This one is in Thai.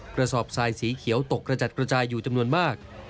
กระสอบทรายสีเขียวตกกระจัดกระจายอยู่จำนวนมาก